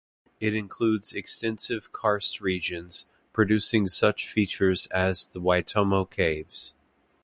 It includes extensive karst regions, producing such features as the Waitomo Caves.